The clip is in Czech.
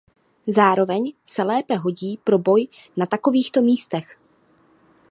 Zároveň se lépe hodí pro boj na takovýchto místech.